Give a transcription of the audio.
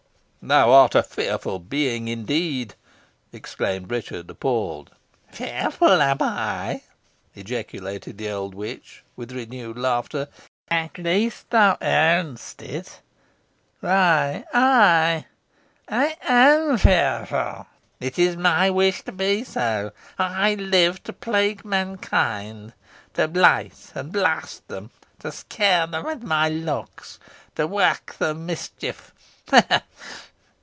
Ho! ho!" "Thou art a fearful being, indeed!" exclaimed Richard, appalled. "Fearful, am I?" ejaculated the old witch, with renewed laughter. "At last thou own'st it. Why, ay, I am fearful. It is my wish to be so. I live to plague mankind to blight and blast them to scare them with my looks to work them mischief.